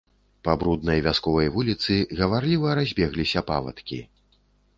Па бруднай вясковай вуліцы гаварліва разбегліся павадкі.